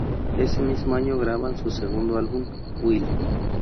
Ese mismo año graban su segundo álbum, "...Well?